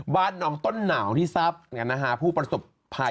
บ้านน้องต้นหนาวที่ทรัพย์ผู้ประสบภัย